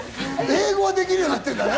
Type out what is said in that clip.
英語はできるようになったんだね。